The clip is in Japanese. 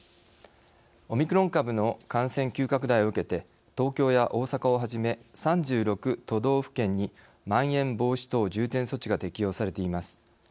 オミクロン株の感染急拡大を受けて東京や大阪をはじめ３６都道府県にまん延防止等重点措置が適用されています。